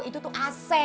itu tuh ac